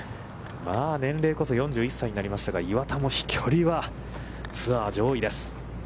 まあ年齢こそ４１歳になりましたが、岩田も飛距離はツアー上位です。